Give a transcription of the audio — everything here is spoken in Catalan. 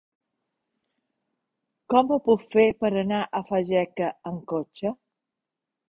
Com ho puc fer per anar a Fageca amb cotxe?